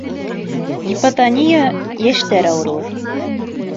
Гипотония — йәштәр ауырыуы.